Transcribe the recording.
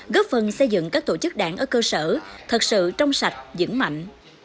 góp phần xây dựng các tổ chức đảng ở cơ sở thật sự trong sạch dững mạnh